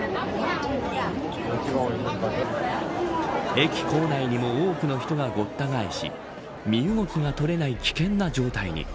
駅構内にも多くの人がごった返し身動きが取れない危険な状態に。